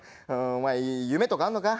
お前夢とかあんのか？